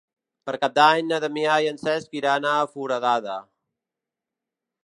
Per Cap d'Any na Damià i en Cesc iran a Foradada.